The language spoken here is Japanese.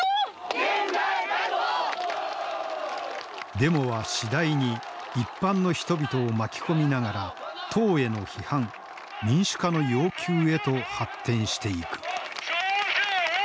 デモは次第に一般の人々を巻き込みながら党への批判民主化の要求へと発展していく。